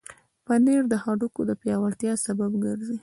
پنېر د هډوکو د پیاوړتیا سبب ګرځي.